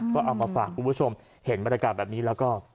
ก็เอามาฝากคุณผู้ชมเห็นบรรยากาศแบบนี้แล้วก็